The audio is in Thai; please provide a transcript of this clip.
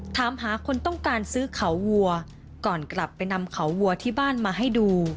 ถามหาคนต้องการซื้อเขาวัวก่อนกลับไปนำเขาวัวที่บ้านมาให้ดู